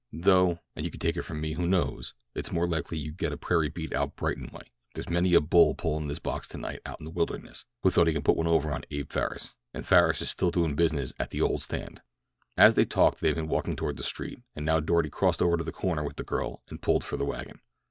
Though, and you can take it from me who knows, it's more likely to get you a prairie beat out Brighton way—there's many a bull pullin' his box tonight out in the wilderness who thought that he could put one over on Abe Farris—and Farris is still doin' business at the old stand." As they talked they had been walking toward the street, and now Doarty crossed over to the corner with the girl and pulled for the wagon.